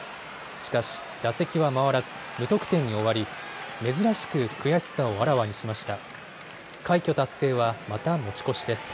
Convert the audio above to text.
しかし打席は回らず無得点に終わり、珍しく悔しさをあらわにしました。